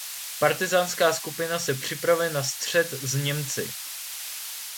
Partyzánská skupina se připravuje na střet s Němci.